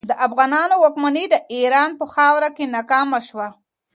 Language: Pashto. د افغانانو واکمني د ایران په خاوره کې ناکامه شوه.